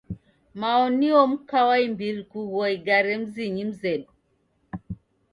Mao nio mka wa imbiri kugua igare mzinyi mzedu.